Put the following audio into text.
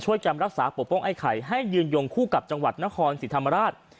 จำรักษาปกป้องไอ้ไข่ให้ยืนยงคู่กับจังหวัดนครศรีธรรมราช